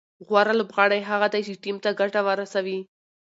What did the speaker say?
غوره لوبغاړی هغه دئ، چي ټیم ته ګټه ورسوي.